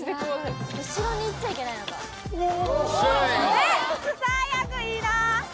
えっ最悪いいな。